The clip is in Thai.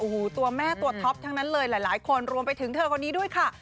โอ้โหตัวแม่ตัวท็อปทั้งนั้นเลยหลายคนรวมไปถึงเธอคนนี้ด้วยค่ะ